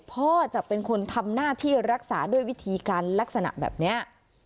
พ่อจะเป็นคนทำหน้าที่รักษาด้วยวิธีการลักษณะแบบนี้